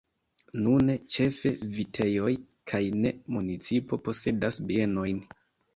Nune ĉefe vitejoj kaj la municipo posedas bienojn.